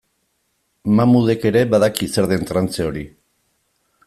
Mahmudek ere badaki zer den trantze hori.